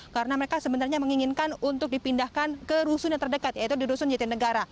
karena mereka sebenarnya menginginkan untuk dipindahkan ke rusun yang terdekat yaitu di rusun jatinegara